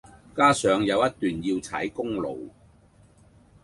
加上有一段要踩公路